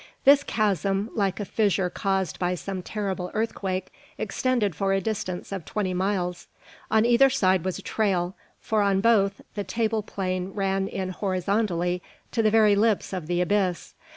This chasm, like a fissure caused by some terrible earthquake, extended for a distance of twenty miles. On either side was a trail; for on both the table plain ran in horizontally to the very lips of the abyss.